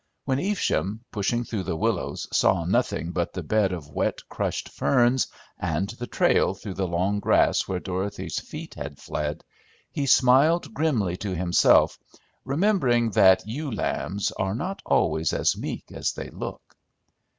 When Evesham, pushing through the willows, saw nothing but the bed of wet, crushed ferns and the trail through the long grass where Dorothy's feet had fled, he smiled grimly to himself, remembering that "ewe lambs" are not always as meek as they look.